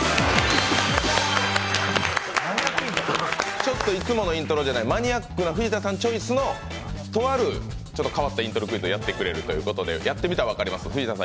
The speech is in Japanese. ちょっといつものイントロじゃないマニアックな藤田さんチョイスのとある変わったイントロクイズをやってくれるということで、やってみたら分かります、藤田さん